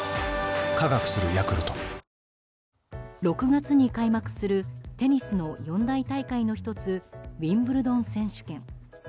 ６月に開幕するテニスの四大大会の１つウィンブルドン選手権。